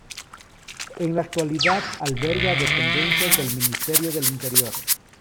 En la actualidad alberga dependencias del Ministerio del Interior.